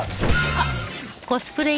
あっ。